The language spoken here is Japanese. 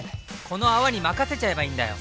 この泡に任せちゃえばいいんだよ！